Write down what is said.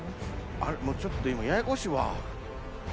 あっもうちょっと今ややこしいわ。